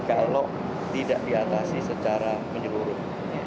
kalau tidak diatasi secara menyeluruh